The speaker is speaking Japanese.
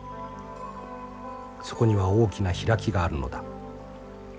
そこには大きな開きがあるのだ。